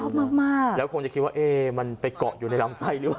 มากมากแล้วคงจะคิดว่าเอ๊มันไปเกาะอยู่ในลำไส้หรือเปล่า